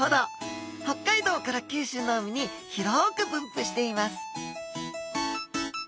北海道から九州の海に広く分布しています